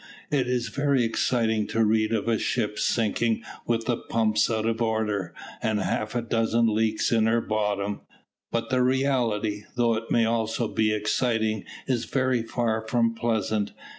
It is very exciting to read of a ship sinking with the pumps out of order, and half a dozen leaks in her bottom; but the reality, though it may also be exciting, is very far from pleasant.